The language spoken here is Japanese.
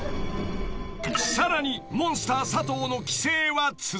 ［さらにモンスター佐藤の奇声は続く］